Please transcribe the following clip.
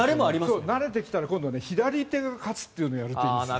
慣れてきたら今度は左手が勝つってやるといいんです。